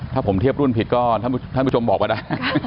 ถ้าผมเทียบรุ่นผิดก็ท่านผู้ชมบอกมาได้